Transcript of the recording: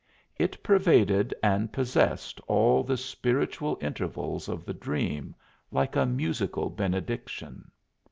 It pervaded and possessed all the spiritual intervals of the dream, like a musical benediction.